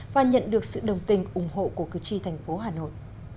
và nhận được sự đồng tình ủng hộ của cử tri thành phố hà nội